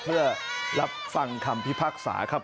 เพื่อรับฟังคำพิพากษาครับ